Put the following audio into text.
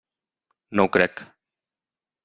No ho crec.